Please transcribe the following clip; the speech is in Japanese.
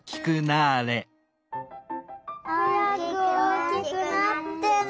はやくおおきくなってね。